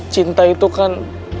cinta itu kan